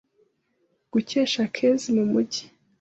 gusheke ekezi mu mugi